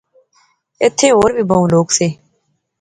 ایتھیں ہور وی بہوں لوک سے